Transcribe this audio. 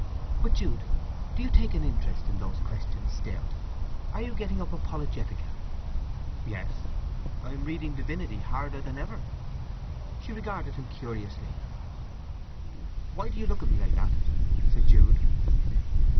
But, Jude, do you take an interest in those questions still? Are you getting up Apologetica?" "Yes. I am reading Divinity harder than ever." She regarded him curiously. "Why do you look at me like that?" said Jude.